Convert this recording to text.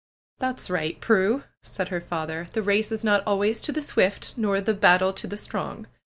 That's right, Prue," said her father, ^Hhe race is not always to the swift, nor the battle to the strong.